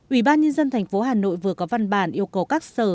ủy ban nhân dân thành phố hà nội vừa có văn bản yêu cầu các sở